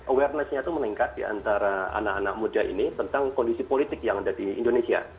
awarenessnya itu meningkat di antara anak anak muda ini tentang kondisi politik yang ada di indonesia